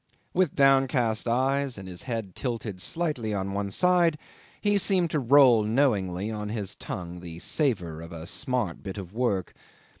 ... With downcast eyes and his head tilted slightly on one side he seemed to roll knowingly on his tongue the savour of a smart bit of work.